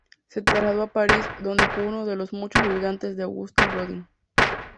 Se trasladó a París, donde fue uno de los muchos ayudantes de Auguste Rodin.